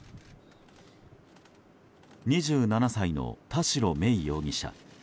２７歳の田代芽衣容疑者。